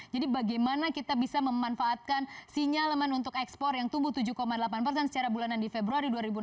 jadi bagaimana kita bisa memanfaatkan sinyal untuk ekspor yang tumbuh tujuh delapan persen secara bulanan di februari dua ribu enam belas